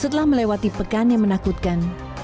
setelah melewati pekannya menakutkan